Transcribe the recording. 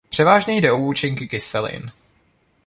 Převážně jde o účinky kyselin.